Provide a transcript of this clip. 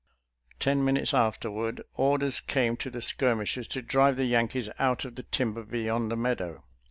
Ten minutes afterward, orders came to the skirmishers to drive the Yankees out of the tim ber beyond the meadow.